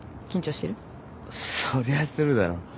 そりゃするだろ。